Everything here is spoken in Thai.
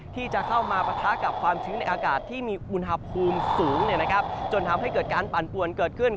ที่จะเข้ามาปะทะกับความชื้นในอากาศที่มีอุณหภูมิสูงจนทำให้เกิดการปั่นปวนเกิดขึ้น